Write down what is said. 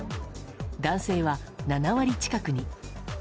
男性は７割近くに。